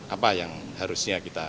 apa yang harusnya kita